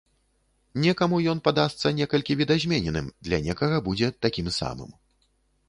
Некаму ён падасца некалькі відазмененым, для некага будзе такім самым.